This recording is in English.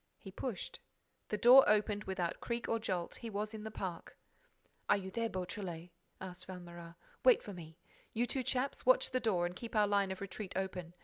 He pushed: the door opened, without a creak or jolt. He was in the park. "Are you there, Beautrelet?" asked Valméras. "Wait for me. You two chaps, watch the door and keep our line of retreat open.